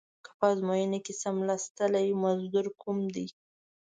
که په ازموینه کې څملاستلې مزدور کوم دې.